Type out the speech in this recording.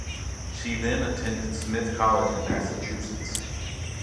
She then attended Smith College in Massachusetts.